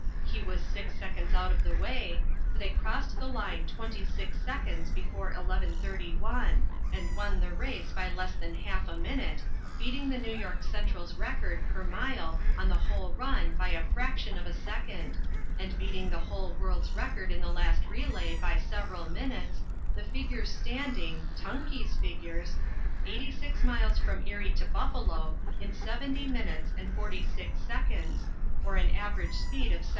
He was six seconds out of the way, for they crossed the line twenty six seconds before eleven thirty one, and won the race by less than half a minute, beating the New York Central's record per mile on the whole run by the fraction of a second, and beating the whole world's record in the last relay by several minutes, the figures standing Tunkey's figures 86 miles from Erie to Buffalo in 70 minutes and 46 seconds, or an average speed of 72.